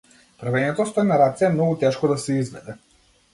Правењето стој на раце е многу тешко да се изведе.